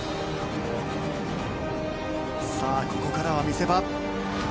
ここからは見せ場。